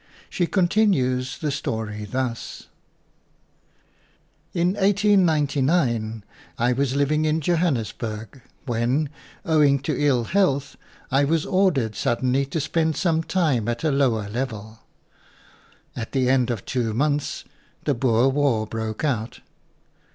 She continues the story thus: "In 1899 I was living in Johannes burg, when, owing to ill health, I was ordered suddenly to spend some time at a lower level. At the end of two months the Boer War broke out.